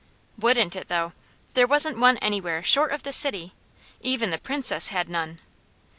Wouldn't it though! There wasn't one anywhere, short of the city. Even the Princess had none.